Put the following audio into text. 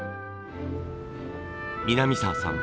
南沢さん